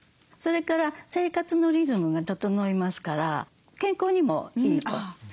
それから生活のリズムが整いますから健康にもいいと。